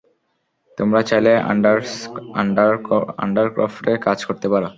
তোমরা চাইলে আন্ডারক্রফটে কাজ করতে পারো।